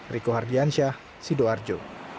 riko hardiansyah sidoarjo